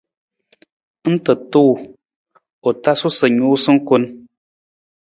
Ng ta tuu, u tasu sa nuusa kun.